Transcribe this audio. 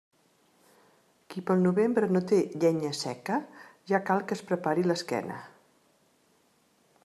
Qui pel novembre no té llenya seca, ja cal que es prepari l'esquena.